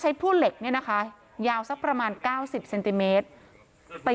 ใช้ผ้วเหล็กเนี้ยนะคะยาวสักประมาณก้าวสิบเซนติเมตรปี